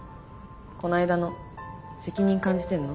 こないだの責任感じてんの？